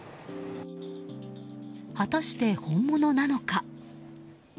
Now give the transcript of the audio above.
果たして、本物なのか。